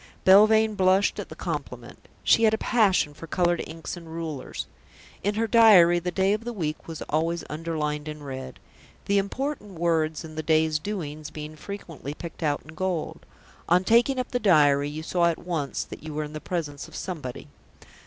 Belvane blushed at the compliment. She had a passion for coloured inks and rulers. In her diary the day of the week was always underlined in red, the important words in the day's doings being frequently picked out in gold. On taking up the diary you saw at once that you were in the presence of somebody.